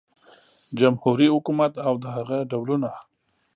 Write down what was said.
جمهوري حکومت او د هغه ډولونه